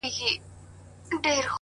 جلوه مخي په گودر دي اموخته کړم.